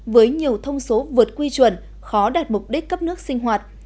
với nhiều thông số vượt quy chuẩn khó đạt mục đích cấp nước sinh hoạt